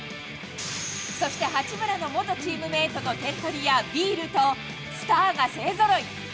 そして八村の元チームメートの点取り屋、ビールとスターが勢ぞろい。